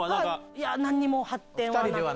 いや、なんにも発展はなくて。